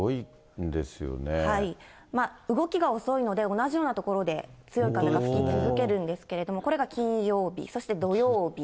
動きが遅いので、同じような所で強い風が吹き続けるんですけれども、これが金曜日、そして土曜日。